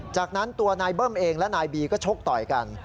จากนั้นตัวนายเบิ้มเองและนายบีก็ชกต่อยกัน